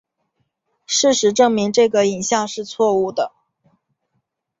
事实证明这个影像是错误的。